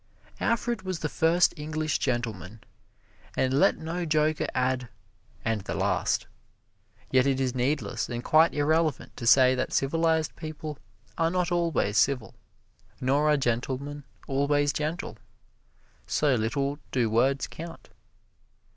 Alfred was the first English gentleman, and let no joker add "and the last." Yet it is needless and quite irrelevant to say that civilized people are not always civil; nor are gentlemen always gentle so little do words count.